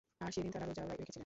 আর সেদিন তারা রোযাও রেখেছিলেন।